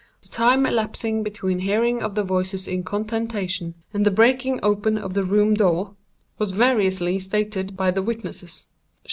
The time elapsing between the hearing of the voices in contention and the breaking open of the room door, was variously stated by the witnesses.